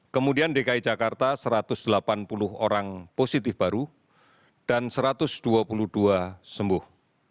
kemudian dki jakarta satu ratus delapan puluh orang positif baru dan satu ratus dua puluh dua sembuh